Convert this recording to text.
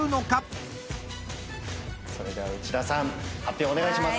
それでは内田さん発表お願いします。